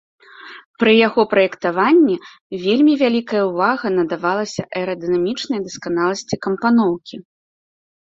Пры яго праектаванні вельмі вялікая ўвага надавалася аэрадынамічнай дасканаласці кампаноўкі.